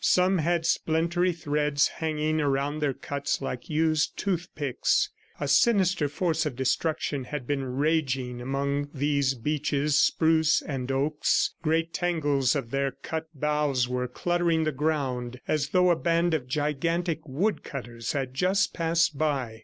Some had splintery threads hanging around their cuts like used toothpicks. A sinister force of destruction had been raging among these beeches, spruce and oaks. Great tangles of their cut boughs were cluttering the ground, as though a band of gigantic woodcutters had just passed by.